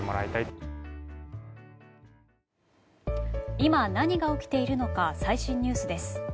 今、何が起きているのか最新ニュースです。